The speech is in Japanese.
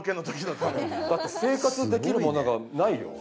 だって生活できるものがないよ。